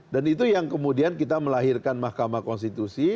dan itu yang kemudian kita melahirkan mahkamah konstitusi